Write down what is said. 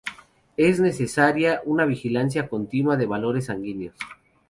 Es necesaria una vigilancia continua de los valores sanguíneos.